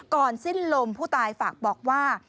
สิ้นลมผู้ตายฝากบอกว่า